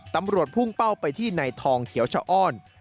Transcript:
พุ่งเป้าไปที่ในทองเขียวชะอ้อน